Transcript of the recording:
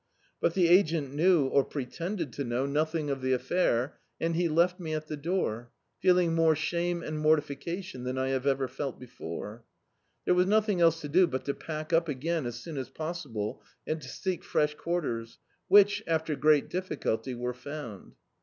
But the agent knew or pretended to know nothing of the Dictzed by Google A House to Let affair, and he left me at the door, feelmg more shame and mortiiicatioQ than I have ever felt before. There was nothing else to do but to pack up again as soon as possible and to seek fresh quarters, which, after great difficulty, were found.